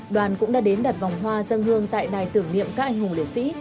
đoàn cũng đã đến đặt vòng hoa dân hương tại đài tưởng niệm các anh hùng liệt sĩ